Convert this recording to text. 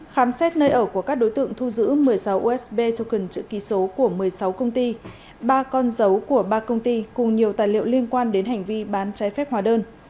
khám xét nơi ở của các đối tượng thu giữ một mươi sáu usb token chữ ký số của một mươi sáu công ty ba con dấu của ba công ty cùng nhiều tài liệu liên quan đến hành vi bán trái phép hóa đơn